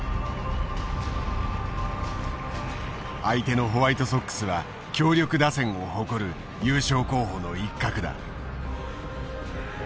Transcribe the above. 相手のホワイトソックスは強力打線を誇る優勝候補の一角だ。